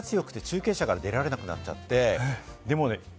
そしたら風が強くて中継車が出られなくなっちゃって。